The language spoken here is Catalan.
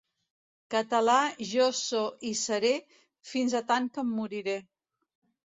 Català jo so i seré, fins a tant que em moriré.